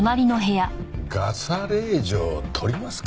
ガサ令状取りますか。